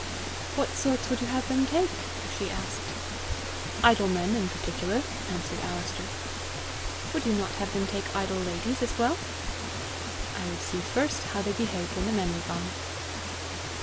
"What sorts would you have them take?" she asked. "Idle men in particular," answered Alister. "Would you not have them take idle ladies as well?" "I would see first how they behaved when the men were gone."